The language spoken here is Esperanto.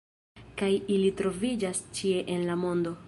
Kaj ili troviĝas ĉie en la mondo.